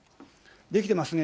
できてますね。